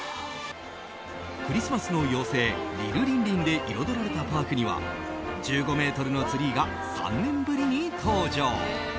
クリスマスの妖精リルリンリンで彩られたパークには１５ｍのツリーが３年ぶりに登場。